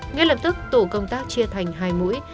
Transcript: ngay lập tức tổ công tác chia thành hai mũi